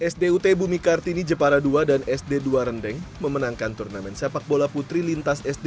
sdut bumi kartini jepara ii dan sd dua rendeng memenangkan turnamen sepak bola putri lintas sd